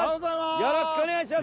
よろしくお願いします